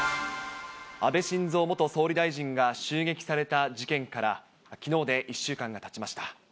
安倍晋三元総理大臣が襲撃された事件から、きのうで１週間がたちました。